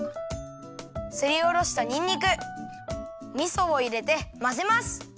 すりおろしたにんにくみそをいれてまぜます。